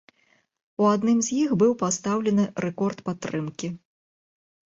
У адным з іх быў пастаўлены рэкорд падтрымкі.